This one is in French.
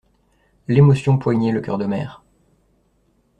L'émotion poignait le cœur d'Omer.